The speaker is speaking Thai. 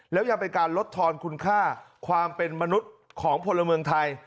แล้วยังเป็นการลดทอนคุณค่าความเป็นมนุษย์ของพลเมืองไทย